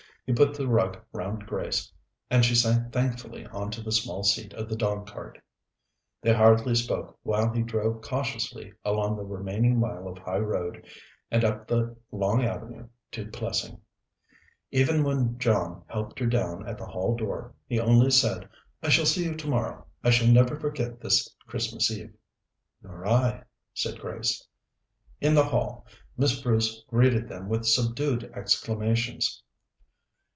He put the rug round Grace, and she sank thankfully on to the small seat of the dog cart. They hardly spoke while he drove cautiously along the remaining mile of high road and up the long avenue to Plessing. Even when John helped her down at the hall door he only said: "I shall see you tomorrow. I shall never forget this Christmas Eve." "Nor I," said Grace. In the hall Miss Bruce greeted them with subdued exclamations.